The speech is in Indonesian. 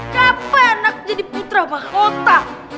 kapan anak jadi putra mahkota